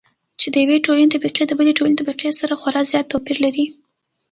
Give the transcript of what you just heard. چې د يوې ټولنې طبقې د بلې ټولنې طبقې سره خورا زيات توپېر لري.